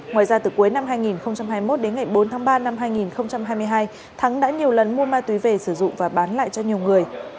ngoài ra từ cuối năm hai nghìn hai mươi một đến ngày bốn tháng ba năm hai nghìn hai mươi hai thắng đã nhiều lần mua ma túy về sử dụng và bán lại cho nhiều người